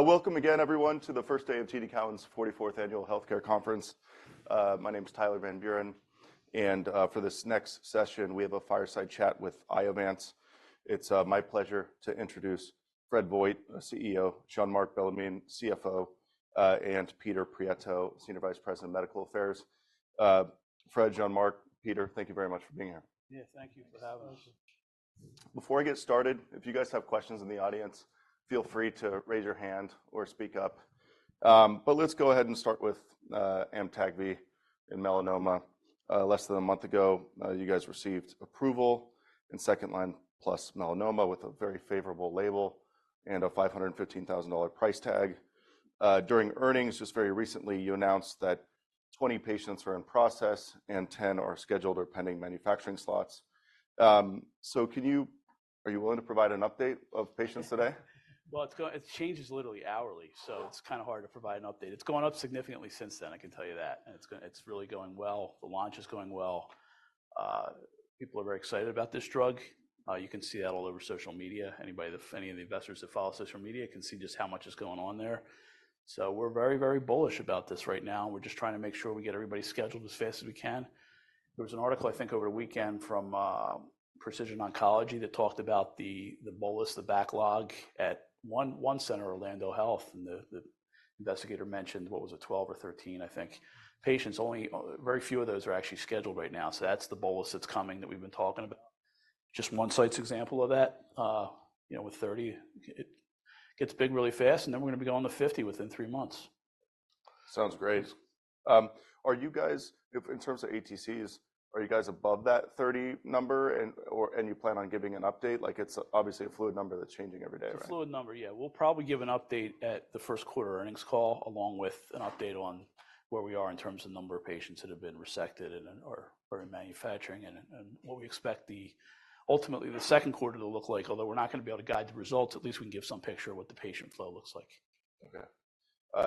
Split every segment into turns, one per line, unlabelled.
Welcome again, everyone, to the first day of TD Cowen's 44th annual health care conference. My name is Tyler Van Buren, and for this next session we have a fireside chat with Iovance. It's my pleasure to introduce Fred Vogt, CEO, Jean-Marc Bellemin, CFO, and Peter Prieto, Senior Vice President of Medical Affairs. Fred, Jean-Marc, Peter, thank you very much for being here.
Yeah, thank you for having us.
Before I get started, if you guys have questions in the audience, feel free to raise your hand or speak up. But let's go ahead and start with Amtagvi in melanoma. Less than a month ago, you guys received approval in second line plus melanoma with a very favorable label and a $515,000 price tag. During earnings, just very recently, you announced that 20 patients are in process and 10 are scheduled or pending manufacturing slots. So can you? Are you willing to provide an update of patients today?
Well, it changes literally hourly, so it's kind of hard to provide an update. It's gone up significantly since then, I can tell you that. It's really going well. The launch is going well. People are very excited about this drug. You can see that all over social media. Anybody that any of the investors that follow social media can see just how much is going on there. So we're very, very bullish about this right now. We're just trying to make sure we get everybody scheduled as fast as we can. There was an article, I think, over the weekend from Precision Oncology that talked about the bolus, the backlog at one center, Orlando Health, and the investigator mentioned what was it, 12 or 13, I think, patients. Only very few of those are actually scheduled right now. So that's the bolus that's coming that we've been talking about. Just one site's example of that. With 30, it gets big really fast, and then we're going to be going to 50 within 3 months.
Sounds great. Are you guys in terms of ATCs, are you guys above that 30 number, and you plan on giving an update? It's obviously a fluid number that's changing every day, right?
It's a fluid number. Yeah. We'll probably give an update at the first quarter earnings call along with an update on where we are in terms of number of patients that have been resected or in manufacturing and what we expect ultimately the second quarter to look like. Although we're not going to be able to guide the results, at least we can give some picture of what the patient flow looks like.
Okay.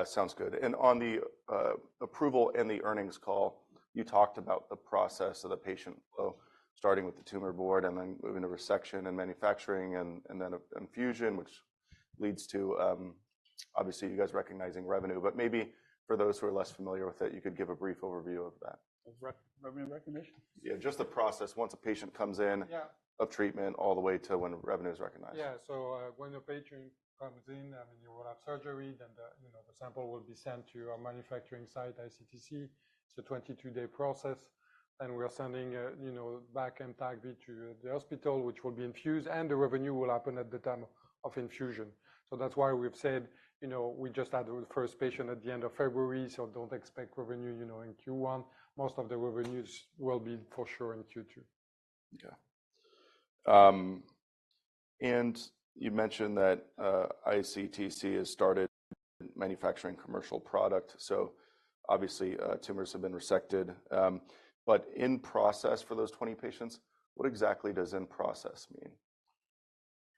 Sounds good. On the approval and the earnings call, you talked about the process of the patient flow, starting with the tumor board and then moving to resection and manufacturing and then infusion, which leads to obviously you guys recognizing revenue. Maybe for those who are less familiar with it, you could give a brief overview of that.
Of revenue recognition?
Yeah, just the process once a patient comes in of treatment all the way to when revenue is recognized.
Yeah. So when the patient comes in, I mean, you will have surgery, then the sample will be sent to our manufacturing site, iCTC. It's a 22-day process. And we are sending back Amtagvi to the hospital, which will be infused, and the revenue will happen at the time of infusion. So that's why we've said we just had the first patient at the end of February, so don't expect revenue in Q1. Most of the revenues will be for sure in Q2.
Okay. You mentioned that iCTC has started manufacturing commercial product. Obviously, tumors have been resected. In process for those 20 patients, what exactly does in process mean?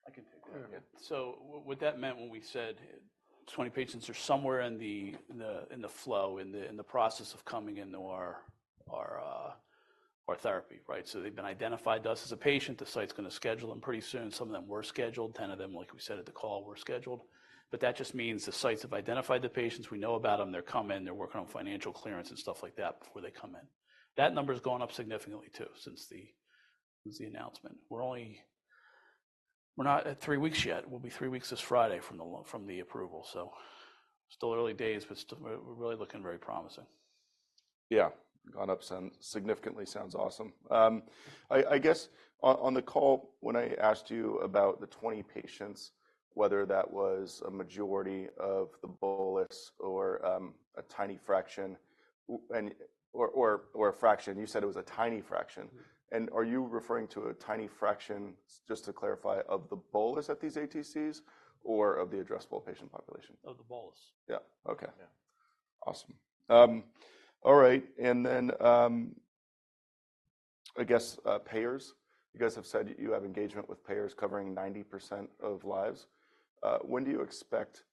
I can take that. So what that meant when we said 20 patients are somewhere in the flow, in the process of coming into our therapy, right? So they've been identified to us as a patient. The site's going to schedule them pretty soon. Some of them were scheduled. 10 of them, like we said at the call, were scheduled. But that just means the sites have identified the patients. We know about them. They're coming. They're working on financial clearance and stuff like that before they come in. That number's gone up significantly, too, since the announcement. We're not at 3 weeks yet. We'll be 3 weeks this Friday from the approval. So still early days, but really looking very promising.
Yeah, gone up significantly sounds awesome. I guess on the call, when I asked you about the 20 patients, whether that was a majority of the bolus or a tiny fraction or a fraction, you said it was a tiny fraction. And are you referring to a tiny fraction, just to clarify, of the bolus at these ATCs or of the addressable patient population?
Of the bolus.
Yeah. Okay. Awesome. All right. And then I guess payers. You guys have said you have engagement with payers covering 90% of lives. When do you expect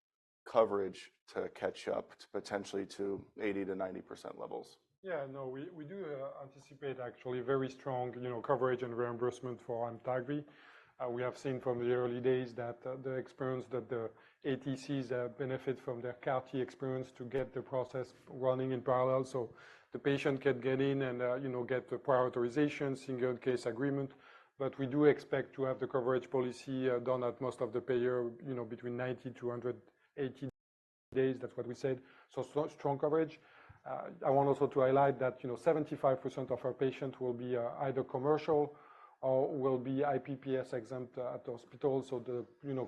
coverage to catch up, potentially to 80%-90% levels?
Yeah. No, we do anticipate, actually, very strong coverage and reimbursement for Amtagvi. We have seen from the early days that the experience that the ATCs benefit from their CAR-T experience to get the process running in parallel. So the patient can get in and get the prior authorization, single case agreement. But we do expect to have the coverage policy done at most of the payer between 90-180 days. That's what we said. So strong coverage. I want also to highlight that 75% of our patients will be either commercial or will be IPPS exempt at the hospital. So the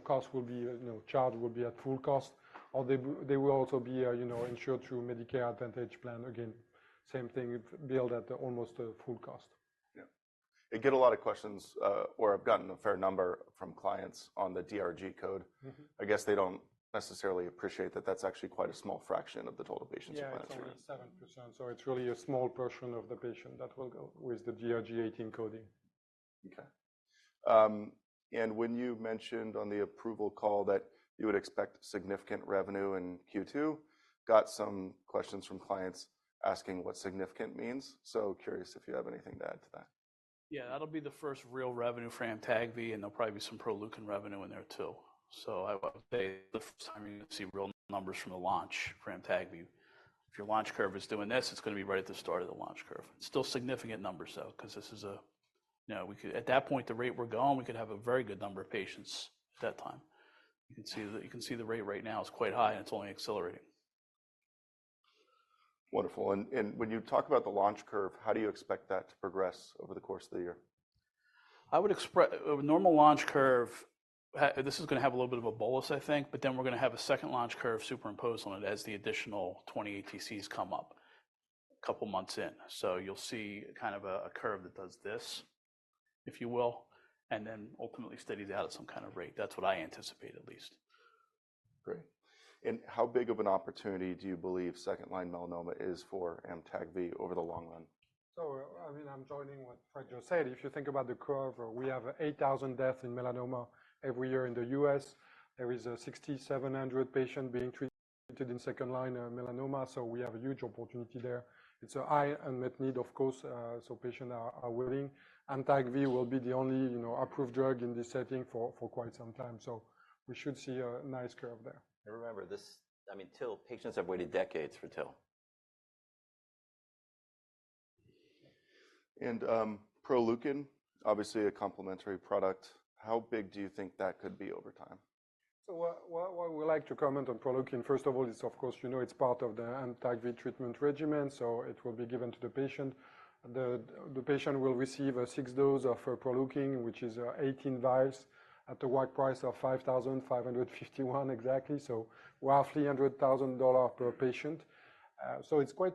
cost will be charged will be at full cost, or they will also be insured through Medicare Advantage plan. Again, same thing, billed at almost full cost.
Yeah. I get a lot of questions or have gotten a fair number from clients on the DRG code. I guess they don't necessarily appreciate that that's actually quite a small fraction of the total patients you plan to treat.
Yeah, 27%. So it's really a small portion of the patients that will go with the DRG 18 coding.
Okay. And when you mentioned on the approval call that you would expect significant revenue in Q2, got some questions from clients asking what significant means. So, curious if you have anything to add to that.
Yeah. That'll be the first real revenue for Amtagvi, and there'll probably be some Proleukin revenue in there, too. So I would say the first time you're going to see real numbers from the launch for Amtagvi. If your launch curve is doing this, it's going to be right at the start of the launch curve. Still significant numbers, though, because this is at that point, the rate we're going, we could have a very good number of patients at that time. You can see the rate right now is quite high, and it's only accelerating.
Wonderful. And when you talk about the launch curve, how do you expect that to progress over the course of the year?
A normal launch curve, this is going to have a little bit of a bolus, I think, but then we're going to have a second launch curve superimposed on it as the additional 20 ATCs come up a couple of months in. So you'll see kind of a curve that does this, if you will, and then ultimately steadies out at some kind of rate. That's what I anticipate, at least.
Great. And how big of an opportunity do you believe second-line melanoma is for Amtagvi over the long run?
So I mean, I'm joining what Fred just said. If you think about the curve, we have 8,000 deaths in melanoma every year in the U.S. There is 6,700 patients being treated in second line melanoma. So we have a huge opportunity there. It's a high unmet need, of course, so patients are waiting. Amtagvi will be the only approved drug in this setting for quite some time. So we should see a nice curve there. And remember, this, I mean, TIL. Patients have waited decades for TIL.
Proleukin, obviously a complementary product. How big do you think that could be over time?
So what we like to comment on Proleukin, first of all, is, of course, it's part of the Amtagvi treatment regimen, so it will be given to the patient. The patient will receive six doses of Proleukin, which is 18 vials at the WAC price of $5,551 exactly. So roughly $100,000 per patient. So it's quite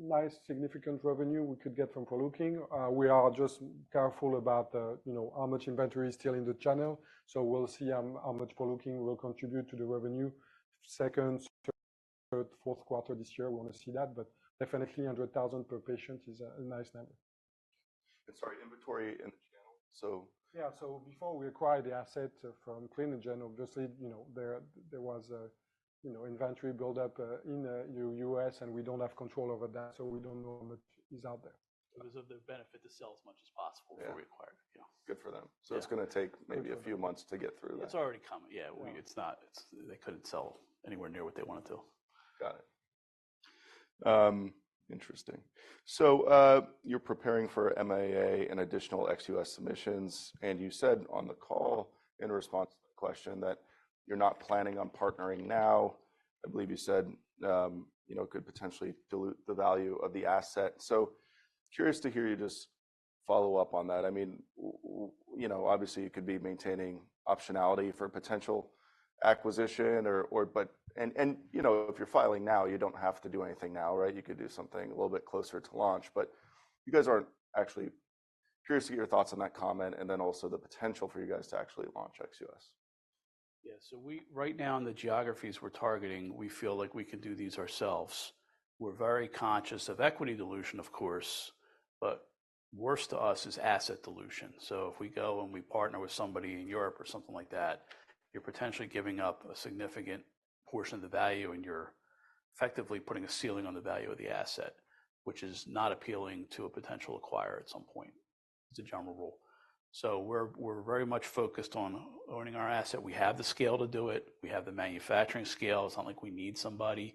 nice, significant revenue we could get from Proleukin. We are just careful about how much inventory is still in the channel. So we'll see how much Proleukin will contribute to the revenue second, third, fourth quarter this year. We want to see that. But definitely, $100,000 per patient is a nice number.
Sorry, inventory in the channel, so.
Yeah. So before we acquired the asset from Clinigen, obviously, there was inventory buildup in the U.S., and we don't have control over that, so we don't know how much is out there.
There's a benefit to sell as much as possible before we acquire it. Yeah.
Good for them. So it's going to take maybe a few months to get through that.
It's already coming. Yeah. They couldn't sell anywhere near what they wanted to.
Got it. Interesting. So you're preparing for MAA and additional ex-US submissions. And you said on the call in response to the question that you're not planning on partnering now. I believe you said it could potentially dilute the value of the asset. So curious to hear you just follow up on that. I mean, obviously, it could be maintaining optionality for potential acquisition, but if you're filing now, you don't have to do anything now, right? You could do something a little bit closer to launch. But you guys aren't actually curious to get your thoughts on that comment and then also the potential for you guys to actually launch ex-US.
Yeah. So right now, in the geographies we're targeting, we feel like we can do these ourselves. We're very conscious of equity dilution, of course, but worse to us is asset dilution. So if we go and we partner with somebody in Europe or something like that, you're potentially giving up a significant portion of the value, and you're effectively putting a ceiling on the value of the asset, which is not appealing to a potential acquirer at some point. It's a general rule. So we're very much focused on owning our asset. We have the scale to do it. We have the manufacturing scale. It's not like we need somebody.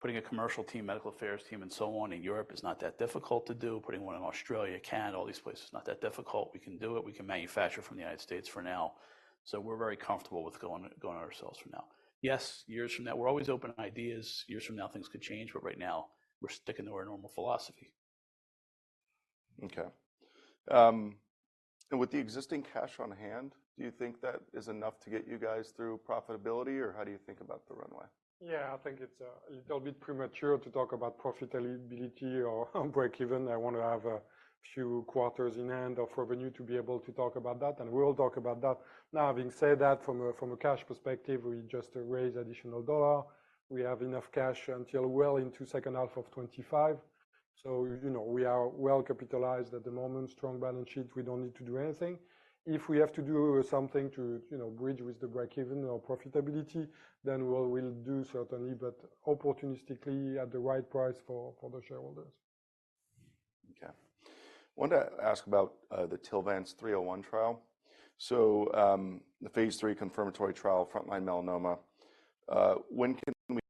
Putting a commercial team, medical affairs team, and so on in Europe is not that difficult to do. Putting one in Australia, Canada, all these places is not that difficult. We can do it. We can manufacture from the United States for now. So we're very comfortable with going ourselves for now. Yes, years from now. We're always open to ideas. Years from now, things could change, but right now, we're sticking to our normal philosophy.
Okay. And with the existing cash on hand, do you think that is enough to get you guys through profitability, or how do you think about the runway?
Yeah. I think it's a little bit premature to talk about profitability or break even. I want to have a few quarters in hand of revenue to be able to talk about that, and we'll talk about that. Now, having said that, from a cash perspective, we just raise additional dollar. We have enough cash until well into second half of 2025. So we are well capitalized at the moment, strong balance sheet. We don't need to do anything. If we have to do something to bridge with the break even or profitability, then we'll do certainly, but opportunistically at the right price for the shareholders.
Okay. I want to ask about the TILVANCE-301 trial. So the phase 3 confirmatory trial, frontline melanoma. When can we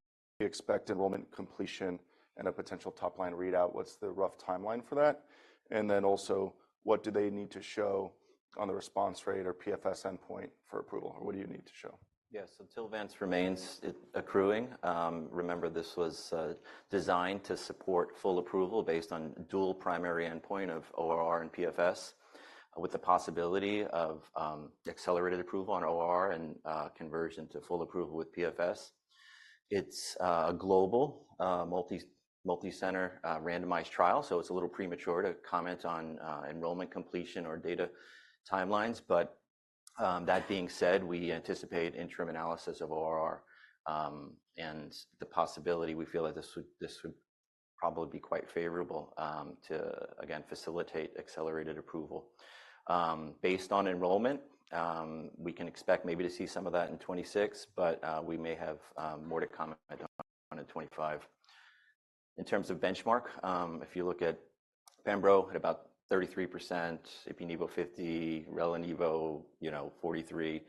expect enrollment completion and a potential top line readout? What's the rough timeline for that? And then also, what do they need to show on the response rate or PFS endpoint for approval, or what do you need to show?
Yeah. So TILVANCE remains accruing. Remember, this was designed to support full approval based on dual primary endpoint of ORR and PFS, with the possibility of accelerated approval on ORR and conversion to full approval with PFS. It's a global, multi-center randomized trial, so it's a little premature to comment on enrollment completion or data timelines. But that being said, we anticipate interim analysis of ORR and the possibility we feel that this would probably be quite favorable to, again, facilitate accelerated approval. Based on enrollment, we can expect maybe to see some of that in 2026, but we may have more to comment on in 2025. In terms of benchmark, if you look at Pembro, at about 33%, Ipi/Nivo 50, Rela/Nivo 43.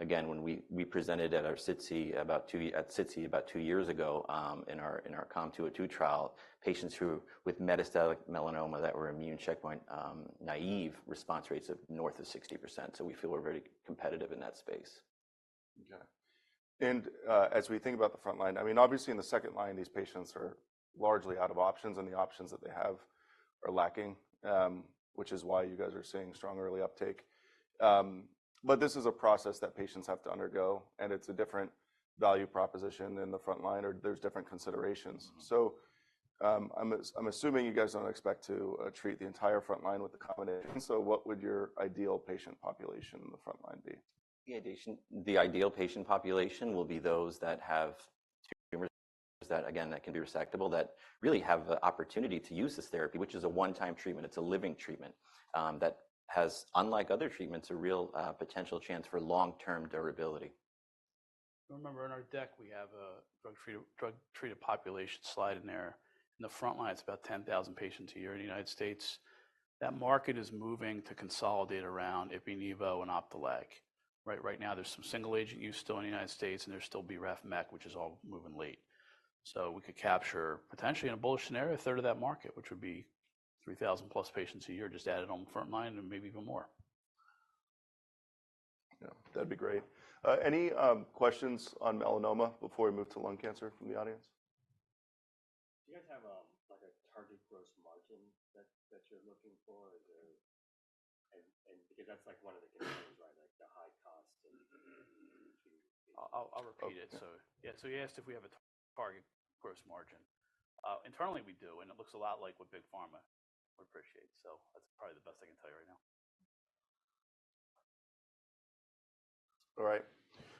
Again, when we presented at our SITC about two years ago in our COM202 trial, patients with metastatic melanoma that were immune checkpoint naive response rates of north of 60%. So we feel we're very competitive in that space.
Okay. And as we think about the front line, I mean, obviously, in the second line, these patients are largely out of options, and the options that they have are lacking, which is why you guys are seeing strong early uptake. But this is a process that patients have to undergo, and it's a different value proposition than the front line, or there's different considerations. So I'm assuming you guys don't expect to treat the entire front line with the combination. So what would your ideal patient population in the front line be?
The ideal patient population will be those that have tumors that, again, can be resectable, that really have the opportunity to use this therapy, which is a one-time treatment. It's a living treatment that has, unlike other treatments, a real potential chance for long-term durability.
Remember, in our deck, we have a drug-treated population slide in there. In the front line, it's about 10,000 patients a year in the United States. That market is moving to consolidate around ipi/nivo and Opdualag. Right now, there's some single agent use still in the United States, and there's still BRAF/MEK, which is all moving late. So we could capture, potentially, in a bullish scenario, a third of that market, which would be 3,000-plus patients a year, just added on front line and maybe even more.
Yeah. That'd be great. Any questions on melanoma before we move to lung cancer from the audience?
Do you guys have a target gross margin that you're looking for? Because that's one of the concerns, right, the high cost and.
I'll repeat it. So yeah. So you asked if we have a target gross margin. Internally, we do, and it looks a lot like what Big Pharma would appreciate. So that's probably the best I can tell you right now.
All right.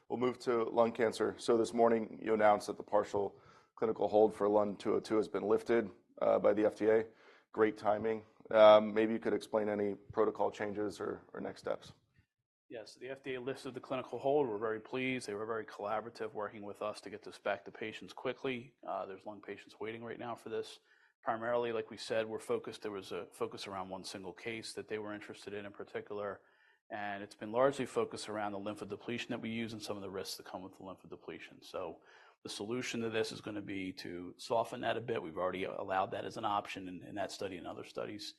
We'll move to lung cancer. So this morning, you announced that the partial clinical hold for LUN202 has been lifted by the FDA. Great timing. Maybe you could explain any protocol changes or next steps.
Yeah. So the FDA lifted the clinical hold. We're very pleased. They were very collaborative, working with us to get to spec the patients quickly. There's lung patients waiting right now for this. Primarily, like we said, there was a focus around one single case that they were interested in in particular, and it's been largely focused around the lymphodepletion that we use and some of the risks that come with the lymphodepletion. So the solution to this is going to be to soften that a bit. We've already allowed that as an option in that study and other studies.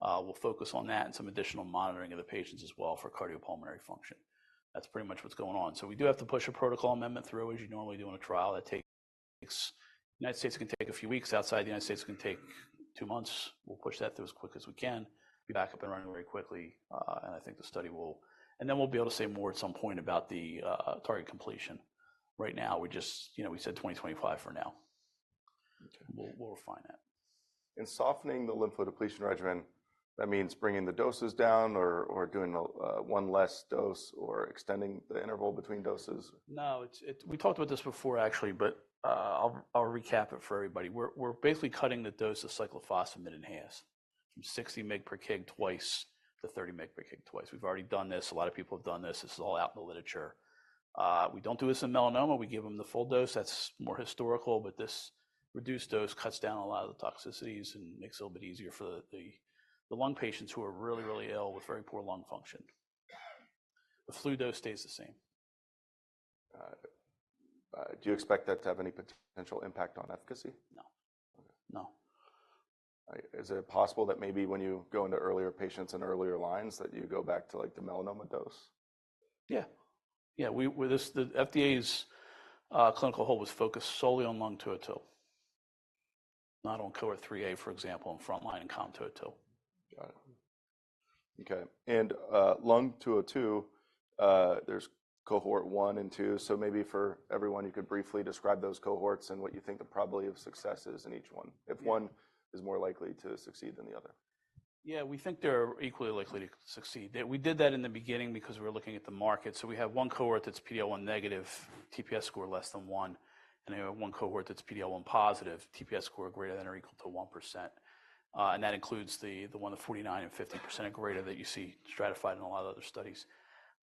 We'll focus on that and some additional monitoring of the patients as well for cardiopulmonary function. That's pretty much what's going on. So we do have to push a protocol amendment through, as you normally do in a trial. The United States can take a few weeks. Outside the United States, it can take two months. We'll push that through as quick as we can. Be back up and running very quickly, and I think the study will and then we'll be able to say more at some point about the target completion. Right now, we said 2025 for now. We'll refine that.
Softening the lymphodepletion regimen, that means bringing the doses down or doing one less dose or extending the interval between doses?
No. We talked about this before, actually, but I'll recap it for everybody. We're basically cutting the dose of cyclophosphamide and fludarabine from 60 mg per kg twice to 30 mg per kg twice. We've already done this. A lot of people have done this. This is all out in the literature. We don't do this in melanoma. We give them the full dose. That's more historical, but this reduced dose cuts down a lot of the toxicities and makes it a little bit easier for the lung patients who are really, really ill with very poor lung function. The fludarabine dose stays the same.
Do you expect that to have any potential impact on efficacy?
No. No.
All right. Is it possible that maybe when you go into earlier patients and earlier lines, that you go back to the melanoma dose?
Yeah. Yeah. The FDA's clinical hold was focused solely on LUN202, not on Cohort 3A, for example, in front line and COM202.
Got it. Okay. LUN202, there's Cohort 1 and 2. Maybe for everyone, you could briefly describe those cohorts and what you think the probability of success is in each one, if one is more likely to succeed than the other.
Yeah. We think they're equally likely to succeed. We did that in the beginning because we were looking at the market. So we have one cohort that's PD-L1 negative, TPS score less than 1, and we have one cohort that's PD-L1 positive, TPS score greater than or equal to 1%. And that includes the one with 49% and 50% and greater that you see stratified in a lot of other studies.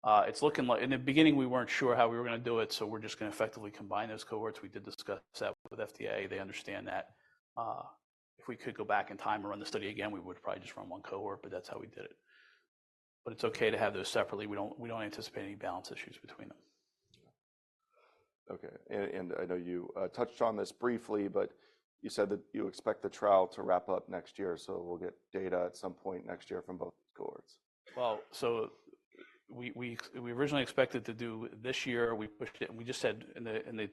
In the beginning, we weren't sure how we were going to do it, so we're just going to effectively combine those cohorts. We did discuss that with the FDA. They understand that if we could go back in time and run the study again, we would probably just run one cohort, but that's how we did it. But it's okay to have those separately. We don't anticipate any balance issues between them.
Okay. I know you touched on this briefly, but you said that you expect the trial to wrap up next year, so we'll get data at some point next year from both cohorts.
Well, so we originally expected to do this year. We pushed it. We just said in the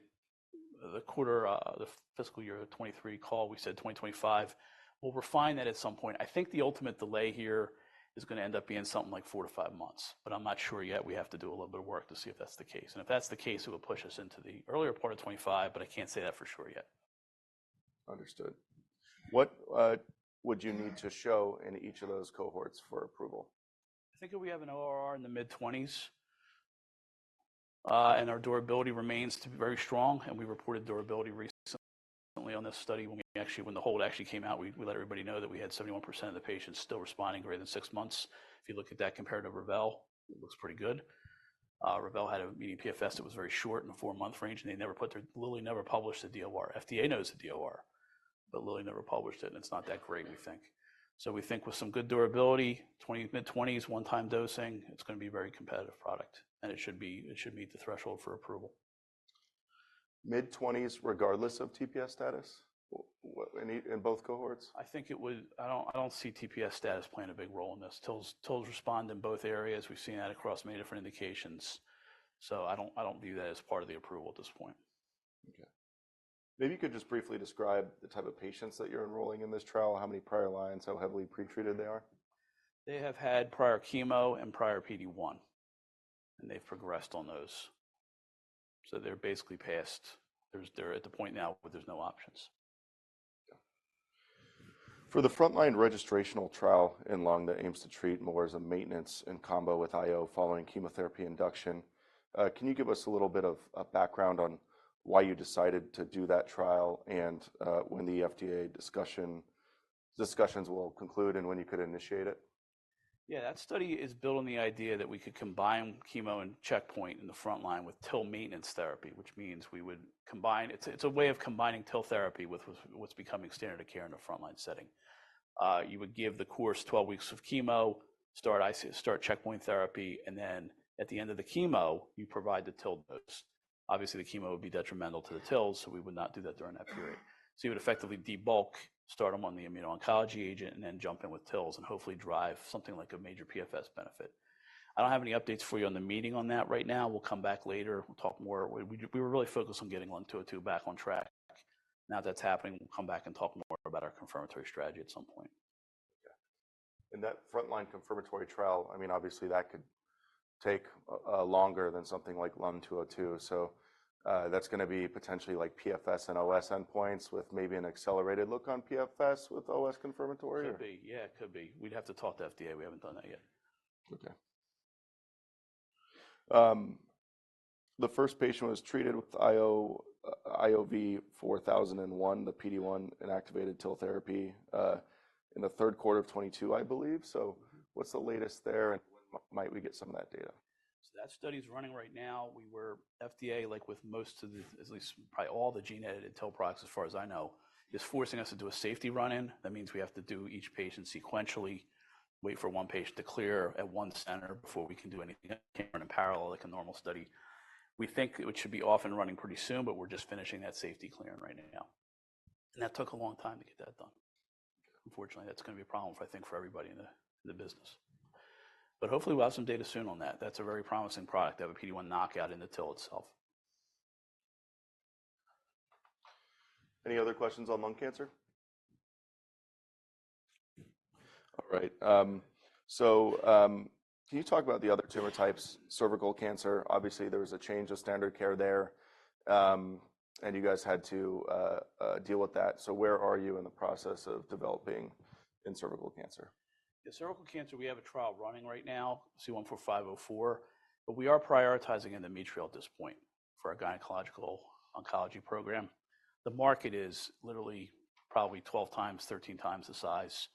quarter, the fiscal year 2023 call, we said 2025. We'll refine that at some point. I think the ultimate delay here is going to end up being something like 4-5 months, but I'm not sure yet. We have to do a little bit of work to see if that's the case. If that's the case, it will push us into the earlier part of 2025, but I can't say that for sure yet.
Understood. What would you need to show in each of those cohorts for approval?
I think if we have an ORR in the mid-20s and our durability remains very strong, and we reported durability recently on this study when the hold actually came out, we let everybody know that we had 71% of the patients still responding greater than six months. If you look at that compared to REVEL, it looks pretty good. REVEL had a median PFS that was very short in the four-month range, and they literally never published the DOR. FDA knows the DOR, but literally never published it, and it's not that great, we think. So we think with some good durability, mid-20s, one-time dosing, it's going to be a very competitive product, and it should meet the threshold for approval.
Mid-20s regardless of TPS status in both cohorts?
I think I don't see TPS status playing a big role in this. TILs respond in both areas. We've seen that across many different indications, so I don't view that as part of the approval at this point.
Okay. Maybe you could just briefly describe the type of patients that you're enrolling in this trial, how many prior lines, how heavily pretreated they are?
They have had prior chemo and prior PD-1, and they've progressed on those. So they're basically past where they're at the point now where there's no options.
Okay. For the front line registrational trial in lung that aims to treat more as a maintenance and combo with IO following chemotherapy induction, can you give us a little bit of background on why you decided to do that trial and when the FDA discussions will conclude and when you could initiate it?
Yeah. That study is built on the idea that we could combine chemo and checkpoint in the front line with TIL maintenance therapy, which means we would combine it's a way of combining TIL therapy with what's becoming standard of care in a front line setting. You would give the course 12 weeks of chemo, start checkpoint therapy, and then at the end of the chemo, you provide the TIL dose. Obviously, the chemo would be detrimental to the TILs, so we would not do that during that period. So you would effectively debulk, start them on the immuno-oncology agent, and then jump in with TILs and hopefully drive something like a major PFS benefit. I don't have any updates for you on the meeting on that right now. We'll come back later. We'll talk more. We were really focused on getting LUN202 back on track. Now that that's happening, we'll come back and talk more about our confirmatory strategy at some point.
Okay. And that front line confirmatory trial, I mean, obviously, that could take longer than something like LUN202. So that's going to be potentially PFS and OS endpoints with maybe an accelerated look on PFS with OS confirmatory?
Could be. Yeah. It could be. We'd have to talk to the FDA. We haven't done that yet.
Okay. The first patient was treated with IOV-4001, the PD-1 inactivated TIL therapy, in the third quarter of 2022, I believe. So what's the latest there, and when might we get some of that data?
So that study's running right now. FDA, with most of the at least probably all the gene-edited TIL products, as far as I know, is forcing us to do a safety run-in. That means we have to do each patient sequentially, wait for one patient to clear at one center before we can do anything else in parallel like a normal study. We think it should be off and running pretty soon, but we're just finishing that safety clearing right now. And that took a long time to get that done. Unfortunately, that's going to be a problem, I think, for everybody in the business. But hopefully, we'll have some data soon on that. That's a very promising product to have a PD-1 knockout in the TIL itself.
Any other questions on lung cancer? All right. Can you talk about the other tumor types, cervical cancer? Obviously, there was a change of standard of care there, and you guys had to deal with that. Where are you in the process of developing in cervical cancer?
Yeah. Cervical cancer, we have a trial running right now, C-145-04, but we are prioritizing endometrial at this point for our gynecological oncology program. The market is literally probably 12x, 13x the size.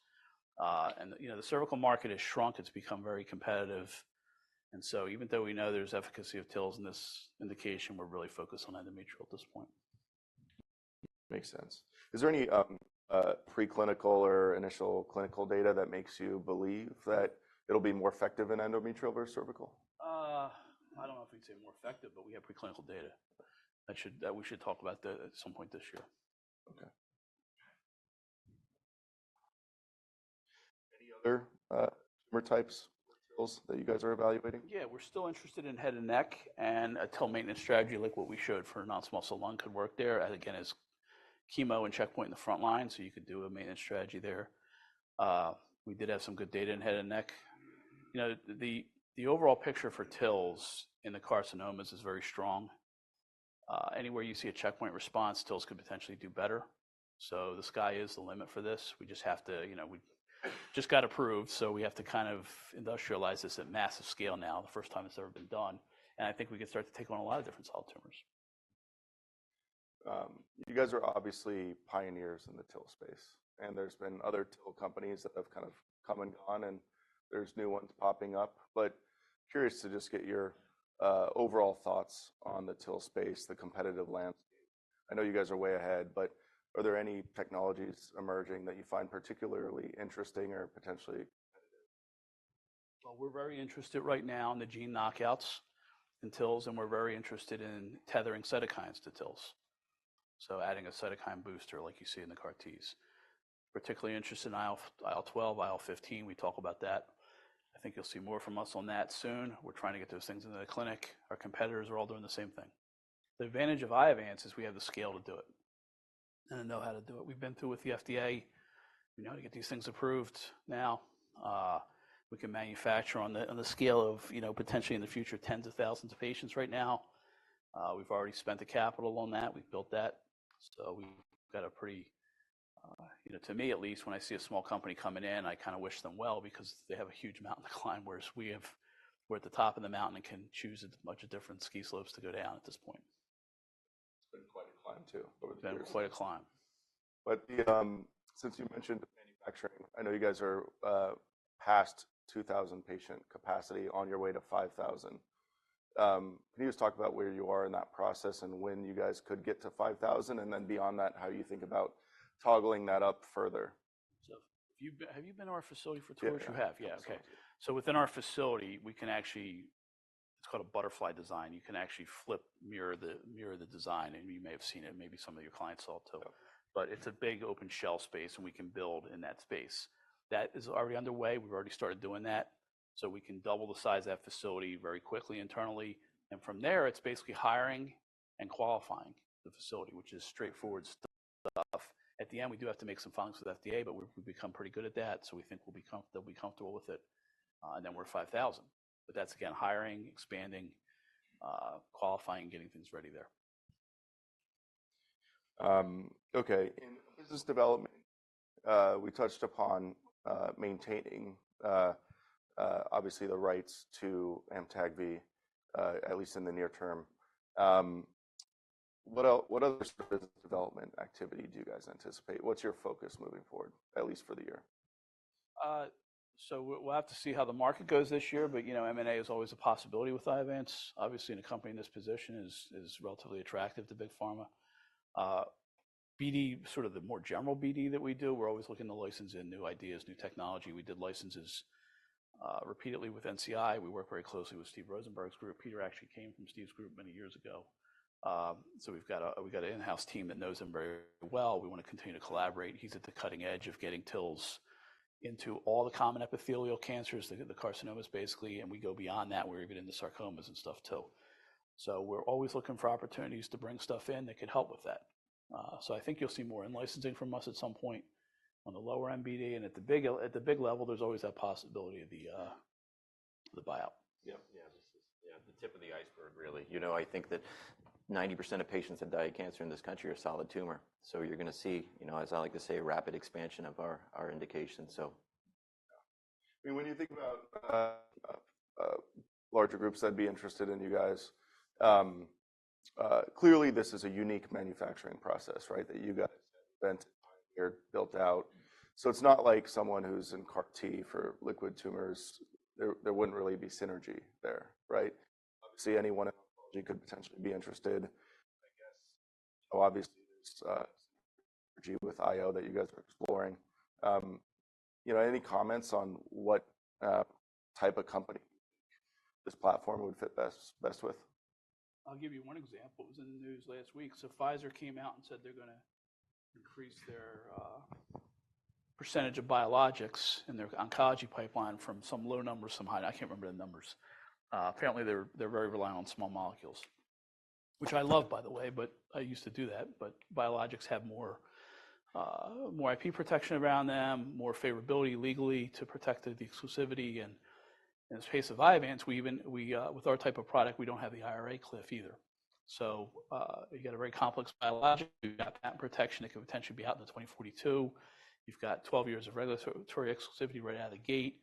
The cervical market has shrunk. It's become very competitive. So even though we know there's efficacy of TILs in this indication, we're really focused on endometrial at this point.
Makes sense. Is there any preclinical or initial clinical data that makes you believe that it'll be more effective in endometrial versus cervical?
I don't know if we'd say more effective, but we have preclinical data that we should talk about at some point this year.
Okay. Any other tumor types or TILs that you guys are evaluating?
Yeah. We're still interested in head and neck, and a TIL maintenance strategy like what we showed for non-small cell lung could work there. Again, it's chemo and checkpoint in the front line, so you could do a maintenance strategy there. We did have some good data in head and neck. The overall picture for TILs in the carcinomas is very strong. Anywhere you see a checkpoint response, TILs could potentially do better. So the sky is the limit for this. We just have to we just got approved, so we have to kind of industrialize this at massive scale now. The first time it's ever been done. And I think we could start to take on a lot of different solid tumors.
You guys are obviously pioneers in the TIL space, and there's been other TIL companies that have kind of come and gone, and there's new ones popping up. But curious to just get your overall thoughts on the TIL space, the competitive landscape. I know you guys are way ahead, but are there any technologies emerging that you find particularly interesting or potentially competitive?
Well, we're very interested right now in the gene knockouts in TILs, and we're very interested in tethering cytokines to TILs, so adding a cytokine booster like you see in the CAR-Ts. Particularly interested in IL-12, IL-15. We talk about that. I think you'll see more from us on that soon. We're trying to get those things into the clinic. Our competitors are all doing the same thing. The advantage of Iovance is we have the scale to do it and know how to do it. We've been through with the FDA. We know how to get these things approved now. We can manufacture on the scale of potentially in the future tens of thousands of patients right now. We've already spent the capital on that. We've built that. We've got a pretty to me at least, when I see a small company coming in, I kind of wish them well because they have a huge mountain to climb, whereas we're at the top of the mountain and can choose as much as different ski slopes to go down at this point.
It's been quite a climb too over the years.
Yeah. It's been quite a climb.
Since you mentioned the manufacturing, I know you guys are past 2,000-patient capacity on your way to 5,000. Can you just talk about where you are in that process and when you guys could get to 5,000, and then beyond that, how you think about toggling that up further?
Have you been to our facility for TILs?
Yes.
You have? Yeah. Okay. So within our facility, we can actually—it's called a butterfly design. You can actually flip mirror the design, and you may have seen it. Maybe some of your clients saw it too. But it's a big open-shell space, and we can build in that space. That is already underway. We've already started doing that, so we can double the size of that facility very quickly internally. And from there, it's basically hiring and qualifying the facility, which is straightforward stuff. At the end, we do have to make some filings with the FDA, but we've become pretty good at that, so we think we'll be comfortable with it. And then we're at 5,000. But that's, again, hiring, expanding, qualifying, and getting things ready there.
Okay. In business development, we touched upon maintaining, obviously, the rights to Amtagvi, at least in the near term. What other sort of business development activity do you guys anticipate? What's your focus moving forward, at least for the year?
So we'll have to see how the market goes this year, but M&A is always a possibility with Iovance. Obviously, in a company in this position, it is relatively attractive to big pharma. Sort of the more general BD that we do, we're always looking to license in new ideas, new technology. We did licenses repeatedly with NCI. We work very closely with Steve Rosenberg's group. Peter actually came from Steve's group many years ago. So we've got an in-house team that knows him very well. We want to continue to collaborate. He's at the cutting edge of getting TILs into all the common epithelial cancers, the carcinomas, basically, and we go beyond that. We're even in the sarcomas and stuff too. So we're always looking for opportunities to bring stuff in that could help with that. I think you'll see more in-licensing from us at some point on the lower end BD. At the big level, there's always that possibility of the buyout.
Yeah. Yeah. Yeah. The tip of the iceberg, really. I think that 90% of patients that die of cancer in this country are solid tumor. So you're going to see, as I like to say, rapid expansion of our indication, so.
Yeah. I mean, when you think about larger groups that'd be interested in you guys, clearly, this is a unique manufacturing process, right, that you guys have invented, pioneered, built out. So it's not like someone who's in CAR-T for liquid tumors. There wouldn't really be synergy there, right? Obviously, anyone in oncology could potentially be interested. I guess, obviously, there's synergy with IO that you guys are exploring. Any comments on what type of company you think this platform would fit best with?
I'll give you one example. It was in the news last week. So Pfizer came out and said they're going to increase their percentage of biologics in their oncology pipeline from some low numbers, some high. I can't remember the numbers. Apparently, they're very reliant on small molecules, which I love, by the way, but I used to do that. But biologics have more IP protection around them, more favorability legally to protect the exclusivity. And in the space of Iovance, with our type of product, we don't have the IRA cliff either. So you got a very complex biologic. You got patent protection. It could potentially be out in 2042. You've got 12 years of regulatory exclusivity right out of the gate.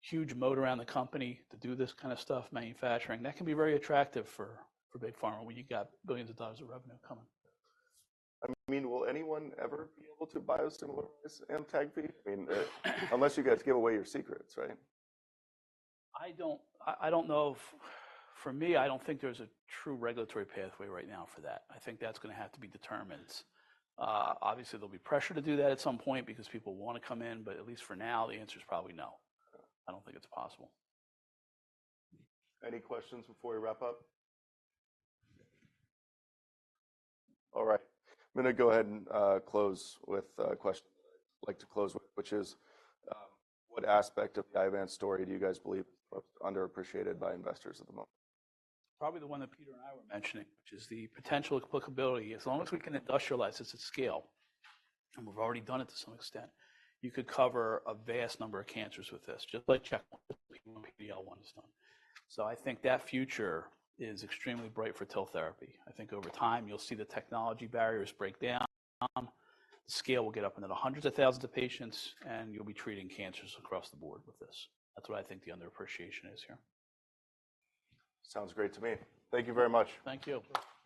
Huge moat around the company to do this kind of stuff, manufacturing. That can be very attractive for big pharma when you've got billions of dollars of revenue coming.
I mean, will anyone ever be able to biosimilarize Amtagvi? I mean, unless you guys give away your secrets, right?
I don't know if for me, I don't think there's a true regulatory pathway right now for that. I think that's going to have to be determined. Obviously, there'll be pressure to do that at some point because people want to come in, but at least for now, the answer is probably no. I don't think it's possible.
Any questions before we wrap up? All right. I'm going to go ahead and close with a question that I'd like to close with, which is, what aspect of the Iovance story do you guys believe is underappreciated by investors at the moment?
Probably the one that Peter and I were mentioning, which is the potential applicability. As long as we can industrialize this at scale, and we've already done it to some extent, you could cover a vast number of cancers with this, just like checkpoint. Just like PD-L1 is done. So I think that future is extremely bright for TIL therapy. I think over time, you'll see the technology barriers break down. The scale will get up into the hundreds of thousands of patients, and you'll be treating cancers across the board with this. That's what I think the underappreciation is here.
Sounds great to me. Thank you very much.
Thank you.